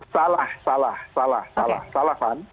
salah salah salah salah salah van